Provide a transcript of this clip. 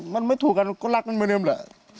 มันไม่ถูกกันก็รักมันเหมือนเดิมแหละ